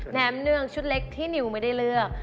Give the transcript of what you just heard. แมมเนืองชุดเล็กที่นิวไม่ได้เลือก